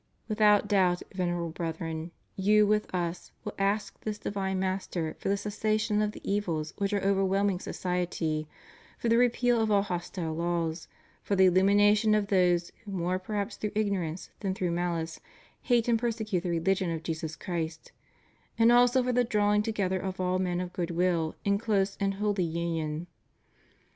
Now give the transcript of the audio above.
Without doubt, Venerable Brethren, you with Us will ask this divine Master for the cessation of the evils which are overwhelming society, for the repeal of all hostile law, for the illumination of those who more perhaps through ignorance than through malice, hate and per secute the religion of Jesus Christ ; and also for the drawing together of all men of good will in close and holy union.